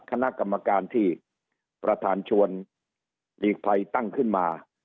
คณะกรรมการที่ประธานชวนหลีกภัยตั้งขึ้นมา